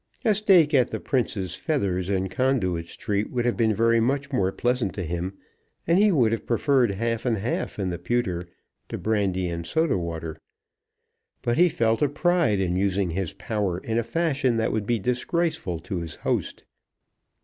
A steak at the Prince's Feathers in Conduit Street would have been very much more pleasant to him, and he would have preferred half and half in the pewter to brandy and soda water; but he felt a pride in using his power in a fashion that would be disgraceful to his host.